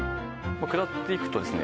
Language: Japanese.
下っていくとですね